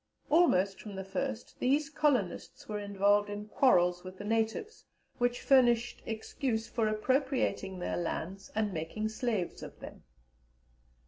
Almost from the first these colonists were involved in quarrels with the natives, which furnished excuse for appropriating their lands and making slaves of them.